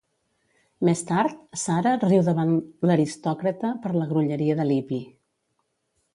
Més tard, Sarah riu davant l'aristòcrata per la grolleria de Libby.